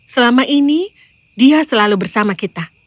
selama ini dia selalu bersama kita